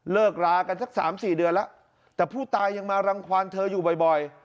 รากันสักสามสี่เดือนแล้วแต่ผู้ตายยังมารังความเธออยู่บ่อย